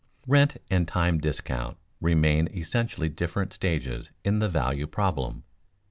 Rent and time discount remain essentially different stages in the value problem.